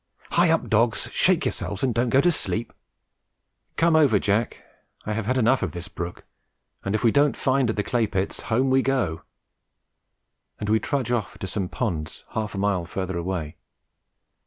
"Hie up, dogs! shake yourselves and don't go to sleep! Come over, Jack; I have had enough of this brook; and if we don't find at the clay pits, home we go." And we trudge off to some ponds half a mile further away.